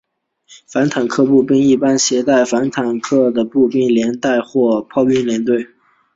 反坦克步兵一般指携带反坦克武器的步兵连队或炮兵连队。